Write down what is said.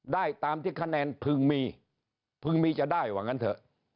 ได้ตามที่คะแนนพึงมีพึงมีจะได้ว่างั้นเถอะ